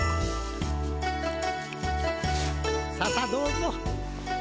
ささっどうぞ。